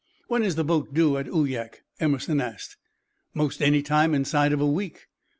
"When is the boat due at Uyak?" Emerson asked. "'Most any time inside of a week."